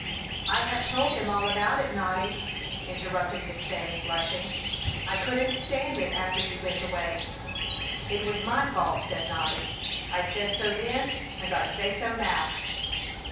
"I have told them all about it, Noddy," interrupted Miss Fanny, blushing. "I couldn't stand it after you went away." "It was my fault," said Noddy. "I said so then, and I say so now."